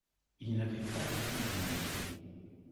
Il n’avait pas de cuisinier.